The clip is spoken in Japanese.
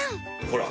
ほら。